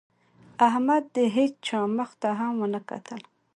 احمد د هېڅا مخ ته هم ونه کتل.